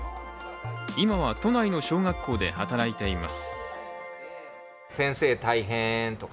今は都内の小学校で働いています。